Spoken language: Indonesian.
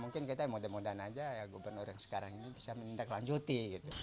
mungkin kita mudah mudahan aja ya gubernur yang sekarang ini bisa menindaklanjuti